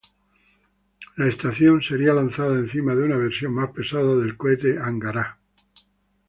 La estación sería lanzada encima de una versión más pesada del Cohete Angará.